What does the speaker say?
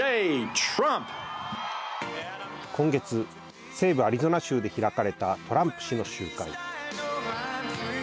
今月、西部アリゾナ州で開かれたトランプ氏の集会。